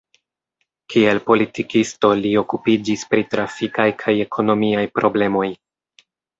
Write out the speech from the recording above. Kiel politikisto li okupiĝis pri trafikaj kaj ekonomiaj problemoj.